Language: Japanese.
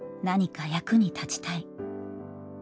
何か役に立ちたい。